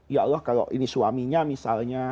ya allah kalau ini suaminya misalnya